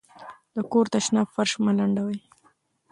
د کور تشناب فرش مه لندوئ.